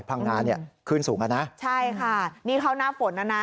พังงาเนี่ยขึ้นสูงอ่ะนะใช่ค่ะนี่เข้าหน้าฝนนะนะ